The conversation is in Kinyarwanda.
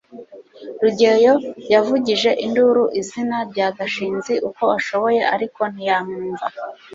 rugeyo yavugije induru izina rya gashinzi uko ashoboye, ariko ntiyamwumva